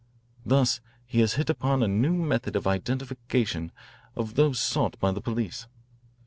Thus he has hit upon a new method of identification of those sought by the police.